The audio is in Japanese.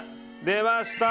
出ました！